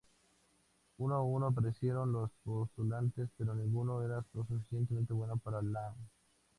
Uno a uno aparecieron los postulantes, pero ninguno era lo suficientemente bueno para Law.